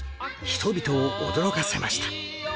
人々を驚かせました